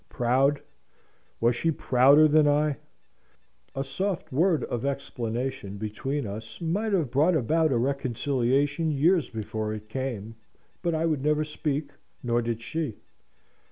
Proud? Was she prouder than I? A soft word of explanation between us might have brought about a reconciliation years before it came but I would never speak, nor did she.